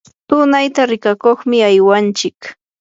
tunayta rikakuqmi aywanchik.